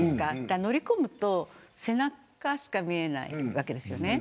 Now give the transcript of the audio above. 乗り込むと背中しか見えないわけです。